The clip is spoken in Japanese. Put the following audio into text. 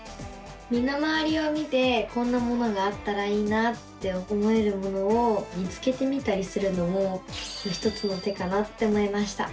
身の回りを見てこんなものがあったらいいなって思えるものを見つけてみたりするのも一つの手かなって思いました。